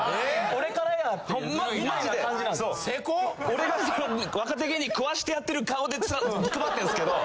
俺がその若手芸人食わしてやってる顔でずっと配ってるんですけど。